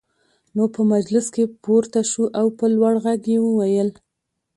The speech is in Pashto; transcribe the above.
نو په مجلس کې پورته شو او په لوړ غږ يې وويل: